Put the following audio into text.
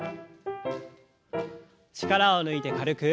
力を抜いて軽く。